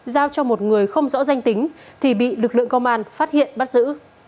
giao cho một người không rõ danh tính thì bị lực lượng công an phát hiện bắt giữ